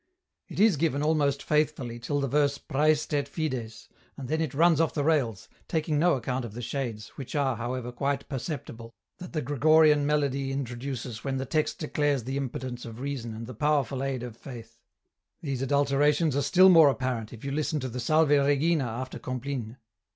It is given almost faithfully till the verse ' Praestet fides,' and then it runs off the rails, taking no account of the shades, which are, however, quite perceptible, that the Gregorian melody introduces when the text declares the impotence of reason and the powerful aid of Faith ; these adulterations are still more apparent, if you listen to the * Salve Regina ' after Compline.